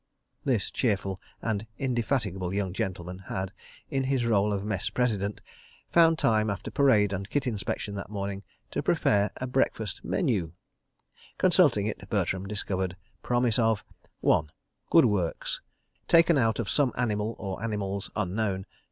..." This cheerful and indefatigable young gentleman had, in his rôle of Mess President, found time, after parade and kit inspection that morning, to prepare a breakfast menu. Consulting it, Bertram discovered promise of 1. Good Works. Taken out of some animal, or animals, unknown.